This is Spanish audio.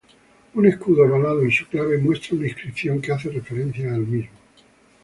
Un escudo ovalado en su clave muestra una inscripción que hace referencia al mismo.